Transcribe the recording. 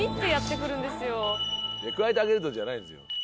「くわえてあげると」じゃないんですよ。